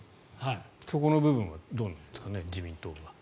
そこの部分はどうなんですかね、自民党は。